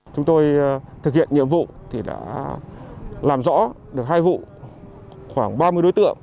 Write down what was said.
chúng tôi thực hiện nhiệm vụ làm rõ được hai vụ khoảng ba mươi đối tượng